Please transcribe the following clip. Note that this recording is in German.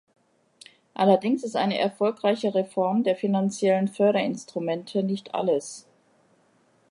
Allerdings ist eine erfolgreiche Reform der finanziellen Förderinstrumente nicht alles.